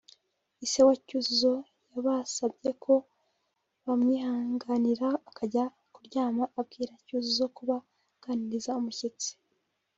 ise wa Cyuzuzo yabasabye ko bamwihanganira akajya kuryama abwira Cyuzuzo kuba aganiriza umushyitsi